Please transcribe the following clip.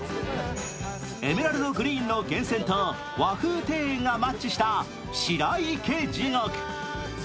エメラルドグリーンの源泉と和風庭園がマッチした白池地獄。